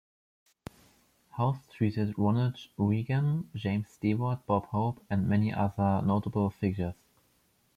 House treated Ronald Reagan, James Stewart, Bob Hope, and many other notable figures.